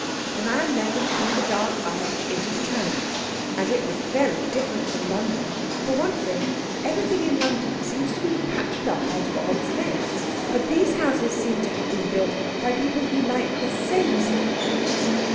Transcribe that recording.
The man led them through the dark arch into the town. And it was very different from London. For one thing, everything in London seems to be patched up out of odds and ends, but these houses seemed to have been built by people who liked the same sort of things.